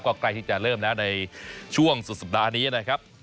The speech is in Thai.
ก็ใกล้ที่จะเริ่มแล้วในช่วงสุดสัปดาห์นี้นะครับ